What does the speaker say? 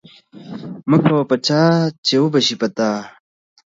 مه کوه په چا، چی وبه شي په تا